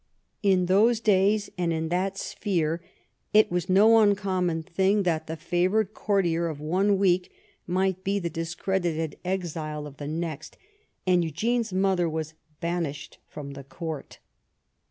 In those days and in that sphere it was no uncommon thing that the favored courtier of one week should be the dis credited exile of the next, and Eugene's mother was banished from the court.